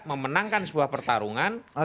memenangkan sebuah pertarungan